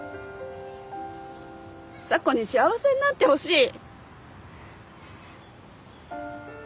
咲子に幸せになってほしい！